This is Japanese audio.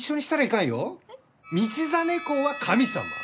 道真公は神様。